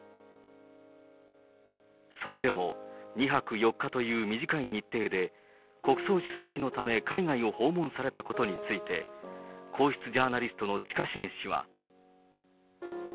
それでも、２泊４日という短い日程で、国葬出席のため、海外を訪問されたことについて、皇室ジャーナリストの近重氏は。